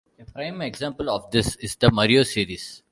A prime example of this is the "Mario" series.